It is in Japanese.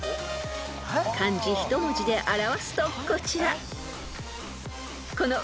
［漢字一文字で表すとこちら］